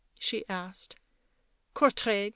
she asked. " Courtrai."